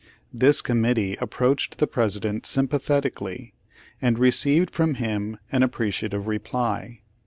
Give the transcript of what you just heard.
This committee approached the President sympathetically, and received from him an appreciative reply.